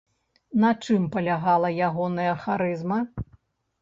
На чым палягала ягоная харызма?